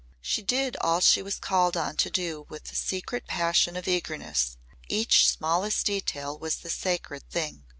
She did all she was called on to do with a secret passion of eagerness; each smallest detail was the sacred thing.